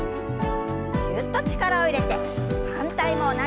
ぎゅっと力を入れて反対も同じように。